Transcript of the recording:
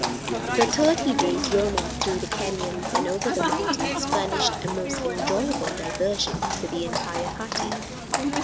The thirty days roaming through the canyons and over the mountains furnished a most enjoyable diversion to the entire party.